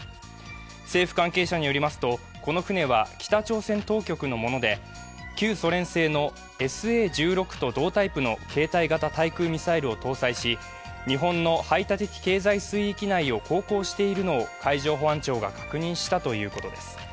捜査関係者によりますとこの船は北朝鮮当局のもので旧ソ連製のＳＡ−１６と同タイプの携帯型対空ミサイルを搭載し、日本の排他的経済水域内を航行しているのを海上保安庁が確認したということです。